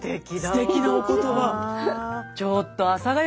すてきなお言葉。